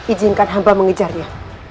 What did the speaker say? izinkan hamba mengejarnya